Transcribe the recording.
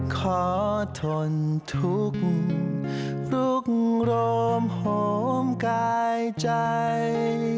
ขอทนทุกข์สุขโรมหอมกายใจ